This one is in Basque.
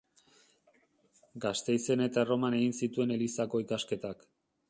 Gasteizen eta Erroman egin zituen Elizako ikasketak.